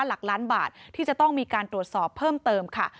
หลักล้านบาทที่จะต้องมีการตรวจสอบเพิ่มเติมค่ะ